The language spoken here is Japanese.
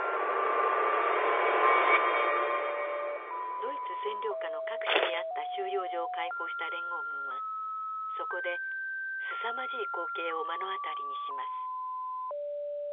ドイツ占領下の各地にあった収容所を解放した連合軍はそこですさまじい光景を目の当たりにします。